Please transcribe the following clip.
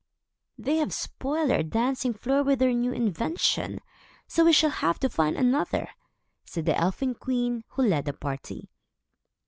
"They have spoiled our dancing floor with their new invention; so we shall have to find another," said the elfin queen, who led the party.